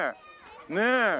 ねえ。